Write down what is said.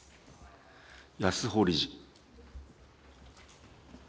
安保理事。